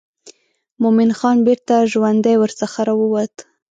مومن خان بیرته ژوندی ورڅخه راووت.